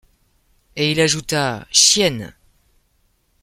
Et il ajouta :— Chienne !